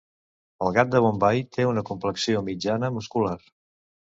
El gat de Bombai té una complexió mitjana muscular.